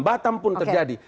batam pun terjadi